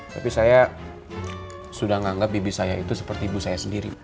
tapi saya sudah menganggap bibi saya itu seperti ibu saya sendiri